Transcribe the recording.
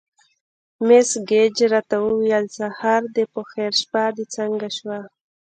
مس ګېج راته وویل: سهار دې په خیر، شپه دې څنګه شوه؟